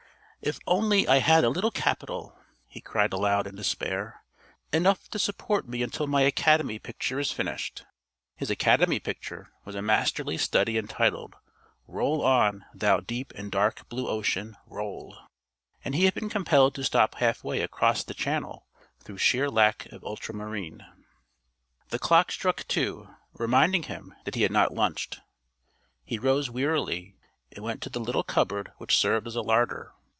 "If only I had a little capital!" he cried aloud in despair. "Enough to support me until my Academy picture is finished." His Academy picture was a masterly study entitled, "Roll on, thou deep and dark blue ocean, roll," and he had been compelled to stop halfway across the Channel through sheer lack of ultramarine. The clock struck two, reminding him that he had not lunched. He rose wearily and went to the little cupboard which served as a larder.